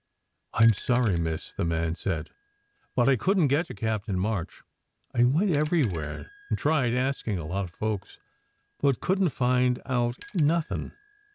"I m sorry, miss," the man said, "but I couldn t get to Captain March. I went everywhere and tried asking a lot of folks, but couldn t find out nothing.